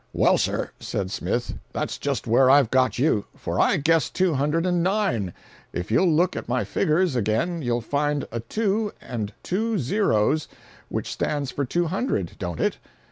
"Well, sir," said Smith, "that's just where I've got you, for I guessed two hundred and nine. If you'll look at my figgers again you'll find a 2 and two 0's, which stands for 200, don't it?